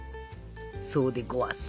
そうでごわす。